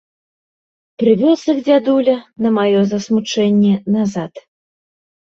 Прывёз іх дзядуля, на маё засмучэнне, назад.